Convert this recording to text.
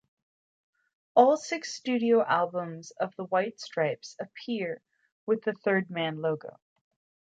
All six studio albums of The White Stripes appear with the Third Man logo.